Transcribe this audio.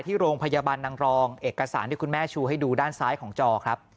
ที่โรงพยาบาลนางรองเอกสารที่คุณแม่ชูให้ดูด้านซ้ายของจอครับ